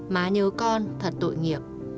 má nhớ con thật tội nghiệp